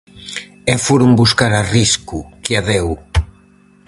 E foron buscar a Risco, que a deu.